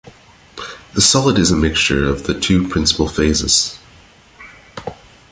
The solid is a mixture of the two principal phases.